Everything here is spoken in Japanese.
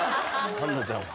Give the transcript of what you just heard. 春奈ちゃんは？